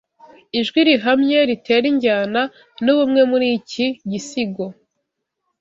Ijwi rihamye ritera injyana nubumwe muriki gisigo